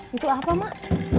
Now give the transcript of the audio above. itu apa mak